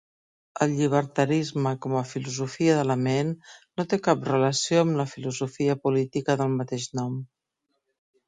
El llibertarisme com a filosofia de la ment no té cap relació amb la filosofia política del mateix nom.